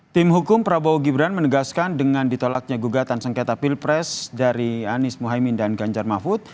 tim hukum prabowo gibran menegaskan dengan ditolaknya gugatan sengketa pilpres dari anies mohaimin dan ganjar mahfud